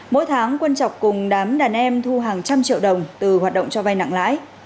mỗi tháng quân chọc cùng đám đàn em thu hàng trăm triệu đồng từ hoạt động cho vay nặng lãi